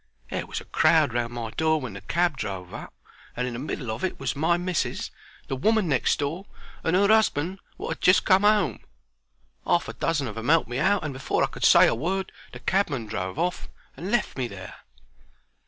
There was a crowd round my door when the cab drove up, and in the middle of it was my missis, the woman next door, and 'er husband, wot 'ad just come 'ome. 'Arf a dozen of 'em helped me out, and afore I could say a word the cabman drove off and left me there.